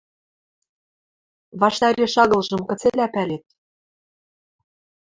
– Ваштареш агылжым кыцелӓ пӓлет?